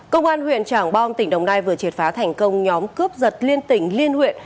công an huyện trảng bom tỉnh đồng nai vừa triệt phá thành công nhóm cướp giật liên tỉnh liên huyện